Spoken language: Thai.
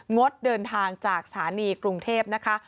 งดเดินทางจากสถานีกรุงเทพนะคะ